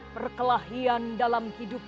perkelahian dalam hidup